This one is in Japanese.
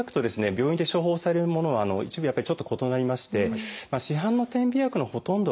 病院で処方されるものは一部やっぱりちょっと異なりまして市販の点鼻薬のほとんどはですね